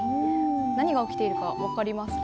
何が起きているか、分かりますか？